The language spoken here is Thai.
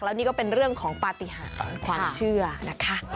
แล้วนี่ก็เป็นเรื่องของปฏิหารความเชื่อนะคะ